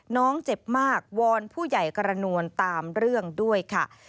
น้องเจ็บมากวอนผู้ใหญ่กระนวลตามเรื่องด้วยค่ะ